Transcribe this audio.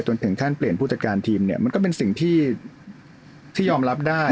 ถึงขั้นเปลี่ยนผู้จัดการทีมเนี่ยมันก็เป็นสิ่งที่ยอมรับได้